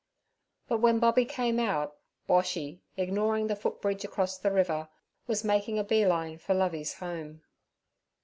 But when Bobby came out, Boshy, ignoring the foot bridge across the river, was making a bee line for Lovey's home.